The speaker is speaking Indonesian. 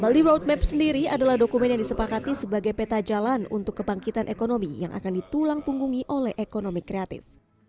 bali roadmap sendiri adalah dokumen yang disepakati sebagai peta jalan untuk kebangkitan ekonomi yang akan ditulang punggungi oleh ekonomi kreatif